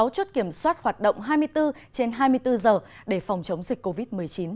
sáu chốt kiểm soát hoạt động hai mươi bốn trên hai mươi bốn giờ để phòng chống dịch covid một mươi chín